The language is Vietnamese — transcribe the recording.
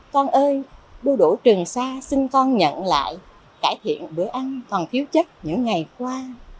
con ơi đu đổ trường xa sinh con nhận lại cải thiện bữa ăn còn thiếu chất những ngày qua